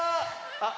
あっ。